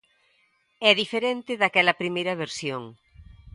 É diferente daquela primeira versión.